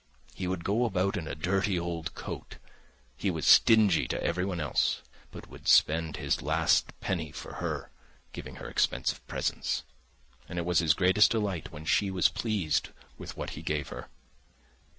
He would go about in a dirty old coat, he was stingy to everyone else, but would spend his last penny for her, giving her expensive presents, and it was his greatest delight when she was pleased with what he gave her.